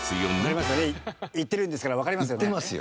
行ってるんですからわかりますよね？